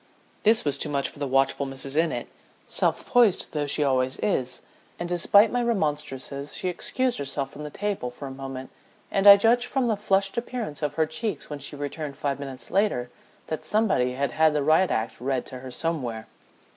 This was too much for the watchful Mrs. Innitt, self poised though she always is, and despite my remonstrances she excused herself from the table for a moment, and I judge from the flushed appearance of her cheeks when she returned five minutes later that somebody had had the riot act read to her somewhere.